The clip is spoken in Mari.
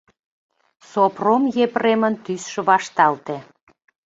Сопром Епремын тӱсшӧ вашталте.